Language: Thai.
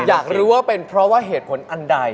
อยากรู้ว่าเป็นเพราะว่าเหตุผลอันใด